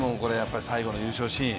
最後の優勝シーン